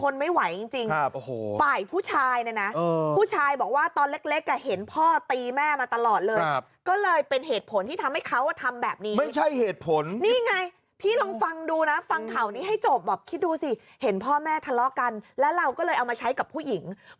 ด้านหลังเนี่ยค่ะมันทนไม่ไหวจริง